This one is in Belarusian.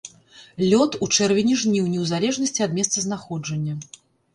Лёт у чэрвені-жніўні ў залежнасці ад месцазнаходжання.